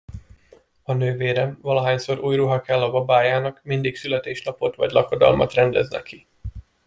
A nővérem, valahányszor új ruha kell a babájának, mindig születésnapot vagy lakodalmat rendez neki.